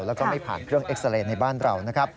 แล้วก็ไม่ผ่านเครื่องอักษริย์ในบ้านเรา